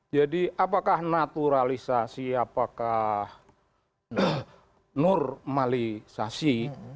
jadi apakah naturalisasi apakah normalisasi